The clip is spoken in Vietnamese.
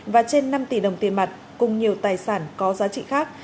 và trên năm tỷ đồng tiền mặt cùng nhiều tài sản có giá trị khác